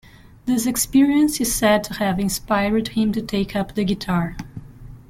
This experience is said to have inspired him to take up the guitar.